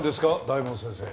大門先生。